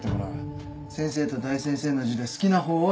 先生と大先生の字で好きな方を選ぶんだぞ。